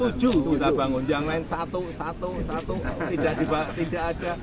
tujuh kita bangun jangan satu satu satu tidak ada